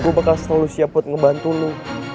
gue bakal selalu siap buat ngebantu lo